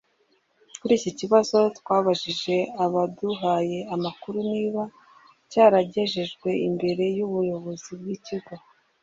Kuri iki kibazo twabajije abaduhaye amakuru niba cyaragejejwe imbere y’ubuyobozi bw’ikigo